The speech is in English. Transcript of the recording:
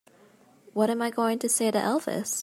What am I going to say to Elvis?